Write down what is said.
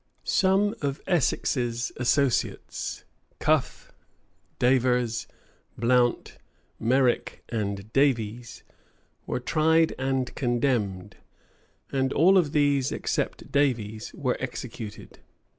Some of Essex's associates, Cuffe, Davers, Blount, Meric, and Davies, were tried and condemned, and all of these except Davies, were executed.